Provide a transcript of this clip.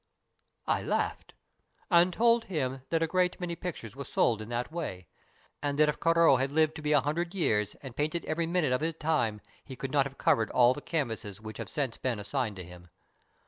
" I laughed, and told him that a great many pictures were sold in that way, and that if Corot had lived to a hundred years and painted every minute of his time he could not have covered all the canvases that have since been assigned to him.